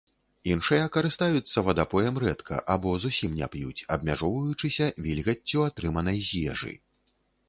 Іншыя карыстаюцца вадапоем рэдка або зусім не п'юць, абмяжоўваючыся вільгаццю, атрыманай з ежы.